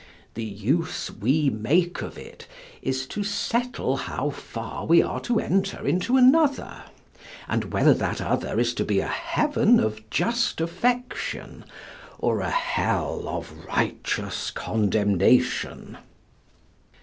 The use we make of it is to settle how far we are to enter into another, and whether that other is to be a heaven of just affection or a hell of righteous condemnation.